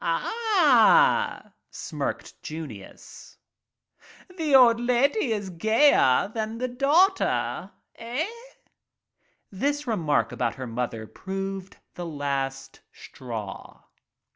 "Ah," smirked Junius, "the old lady is gayer than the daughter, eh?" This remark about her mother proved the last straw.